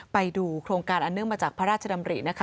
ไปดูโครงการอันเนื่องมาจากพระราชดำรินะคะ